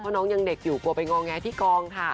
เพราะน้องยังเด็กอยู่กลัวไปงอแงที่กองค่ะ